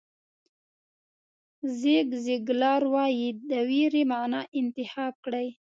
زیګ زیګلار وایي د وېرې معنا انتخاب کړئ.